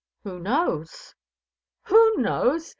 "Who knows?" "Who knows?